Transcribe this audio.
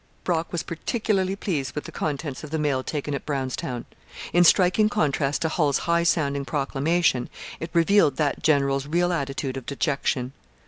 Brock was particularly pleased with the contents of the mail taken at Brownstown. In striking contrast to Hull's high sounding proclamation, it revealed that general's real attitude of dejection.